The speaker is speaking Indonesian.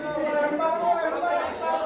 ini pakai abc